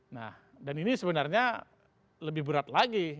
nah dan ini sebenarnya lebih berat lagi